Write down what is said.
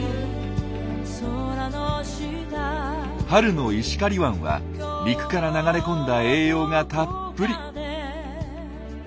春の石狩湾は陸から流れ込んだ栄養がたっぷり。